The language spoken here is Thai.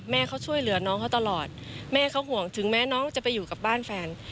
เขาช่วยเหลือน้องเขาตลอดแม่เขาห่วงถึงแม้น้องจะไปอยู่กับบ้านแฟน